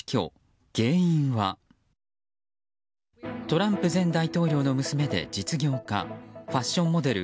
トランプ前大統領の娘で実業家、ファッションモデル